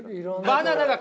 バナナが。